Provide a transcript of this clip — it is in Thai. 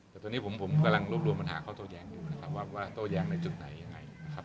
แต่ตอนนี้ผมกำลังรวบรวมปัญหาข้อโต้แย้งอยู่นะครับว่าโต้แย้งในจุดไหนยังไงนะครับ